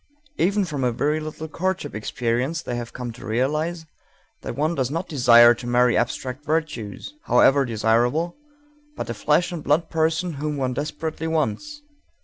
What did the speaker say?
Even from a very little courtship experience they come to realize that one does not desire to marry abstract virtues, however desirable, but a flesh and blood person whom one desperately wants.